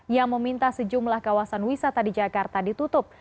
yang meminta sejumlah kawasan wisata di jakarta ditutup